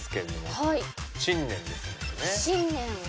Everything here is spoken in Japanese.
はい。